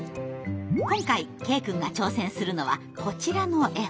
今回ケイくんが挑戦するのはこちらの絵本。